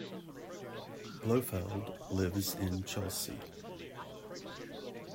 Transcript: Blofeld lives in Chelsea.